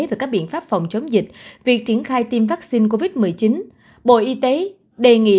về các biện pháp phòng chống dịch việc triển khai tiêm vaccine covid một mươi chín bộ y tế đề nghị